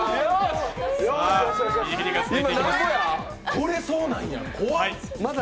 これ、そうなんや、怖っ！